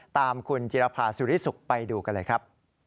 ตามคุณจิรภาสุริสุขไปดูกันเลยครับ